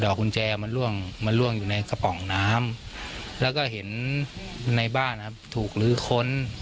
ดอกคุณแจมันล่วงอยู่ในกระป๋องน้ำแล้วก็เห็นในบ้านถูกลื้อค้น